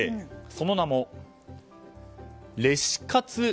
その名もレシ活